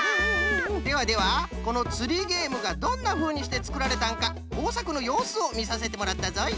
ではではこのつりげえむがどんなふうにしてつくられたのかこうさくのようすをみさせてもらったぞい。